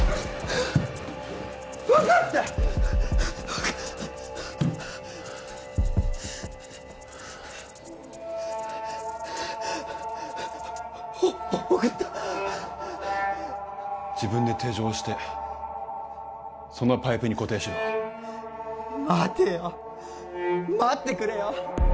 分かったお送った自分で手錠してそのパイプに固定しろ待てよ待ってくれよ